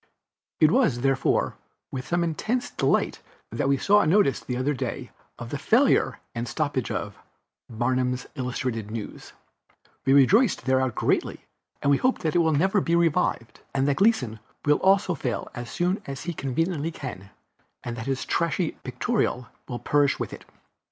It was, therefore, with the most intense delight that we saw a notice the other day of the failure and stoppage of Barnum's Illustrated News; we rejoiced thereat greatly, and we hope that it will never be revived, and that Gleason will also fail as soon as he conveniently can, and that his trashy Pictorial will perish with it.